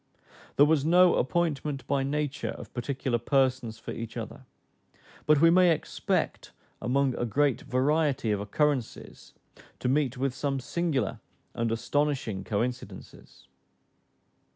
There was no appointment by nature of particular persons for each other; but we may expect among a great variety of occurrences to meet with some singular and astonishing coincidences.